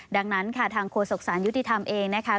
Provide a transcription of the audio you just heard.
ดังนั้นค่ะทางโฆษกสารยุติธรรมเองนะคะ